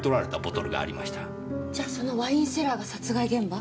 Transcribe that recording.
じゃそのワインセラーが殺害現場？